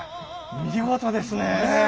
見事ですねえ。